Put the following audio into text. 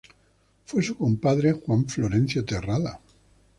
Fue su comandante Juan Florencio Terrada.